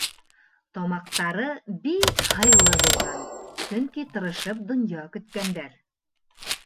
Тамаҡтары бик һыйлы булған, сөнки тырышып донъя көткәндәр.